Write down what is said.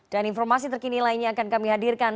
dan informasi terkini lainnya akan kami hadirkan